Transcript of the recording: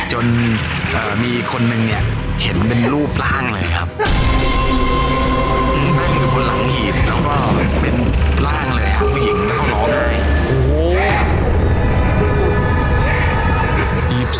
จนมีคนหนึ่งเนี่ยเห็นเป็นรูปร้างเลยครับ